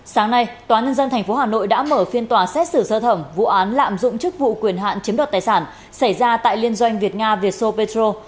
sáng nay tòa nhân dân tp hà nội đã mở phiên tòa xét xử sơ thẩm vụ án lạm dụng chức vụ quyền hạn chiếm đoạt tài sản xảy ra tại liên doanh việt nga vietso petro